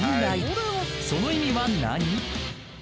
［その意味は何？］